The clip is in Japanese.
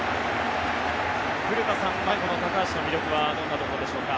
古田さんはこの高橋の魅力はどんなところでしょうか？